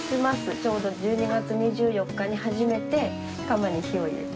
ちょうど１２月２４日に初めて窯に火をいれた。